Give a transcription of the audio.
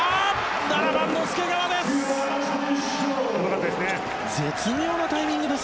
７番の介川です。